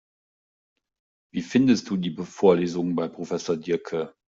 Wie findest du die Vorlesungen bei Professor Diercke?